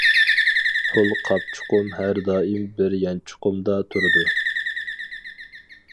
پۇل قاپچۇقۇم ھەر دائىم بىر يانچۇقۇمدا تۇرىدۇ.